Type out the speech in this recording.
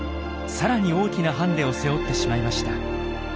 さらに大きなハンデを背負ってしまいました。